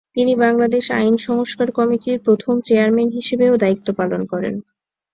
তিনি বাংলাদেশ আইন সংস্কার কমিটির প্রথম চেয়ারম্যান হিসাবেও দায়িত্ব পালন করেন।